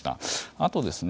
あとですね